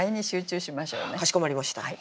かしこまりました。